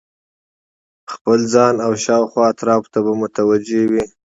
د خپل ځان او شاوخوا اطرافو ته به متوجه وي